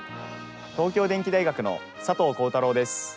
東京電機大学の佐藤浩太郎です。